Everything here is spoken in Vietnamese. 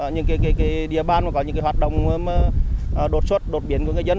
những địa bàn có những hoạt động đột xuất đột biến của người dân